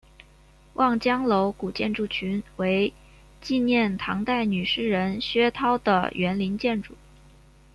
望江楼古建筑群为纪念唐代女诗人薛涛的园林建筑。